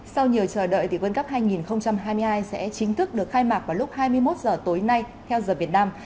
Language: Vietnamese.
sau nhiều chờ đợi thì world cup hai nghìn hai mươi hai sẽ chính thức được khai mạc vào lúc hai mươi một h tối nay theo giờ việt nam